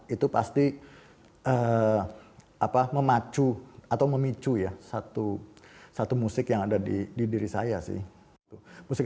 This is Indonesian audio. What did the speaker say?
itu pasti memacu atau memicu ya satu musik yang ada di diri saya sih